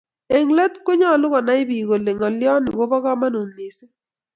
eng let ko nyalun komai bik kole ngaliot ni kobo kamangut mising